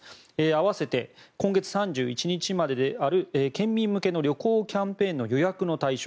併せて今月３１日までである県民向けの旅行キャンペーンの予約の対象